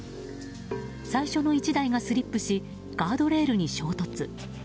最初の１台がスリップしガードレールに衝突。